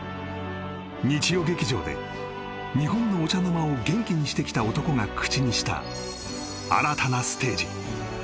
日曜劇場で日本のお茶の間を元気にしてきた男が口にした新たなステージ